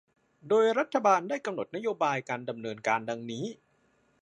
โดยรัฐบาลได้กำหนดนโยบายการดำเนินการดังนี้